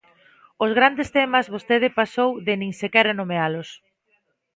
Os grandes temas vostede pasou de nin sequera nomealos.